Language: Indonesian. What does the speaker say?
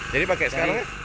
jadi pakai sekarang ya